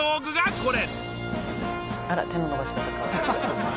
これ。